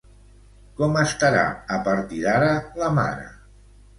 Com estarà a partir d'ara la mare?